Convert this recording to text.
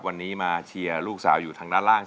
สวัสดีครับคุณพ่อคุณแม่ครับ